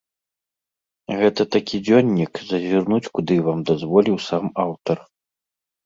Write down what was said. Гэта такі дзённік, зазірнуць куды вам дазволіў сам аўтар.